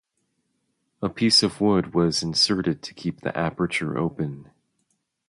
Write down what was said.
A piece of wood was inserted to keep the aperture open.